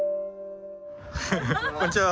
こんにちは。